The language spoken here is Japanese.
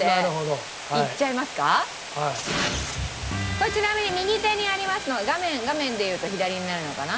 これちなみに右手にありますのが画面でいうと左になるのかな？